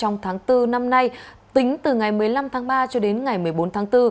năm nay tính từ ngày một mươi năm tháng ba cho đến ngày một mươi bốn tháng bốn